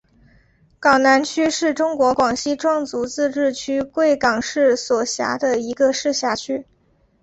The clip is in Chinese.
港南区是中国广西壮族自治区贵港市所辖的一个市辖区。